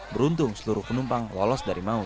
beruntung seluruh penumpang lolos dari maut